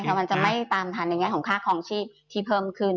แต่มันจะไม่ตามทันในแง่ของค่าคลองชีพที่เพิ่มขึ้น